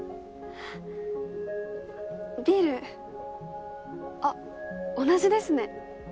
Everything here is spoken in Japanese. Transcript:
ビールあっ同じですね。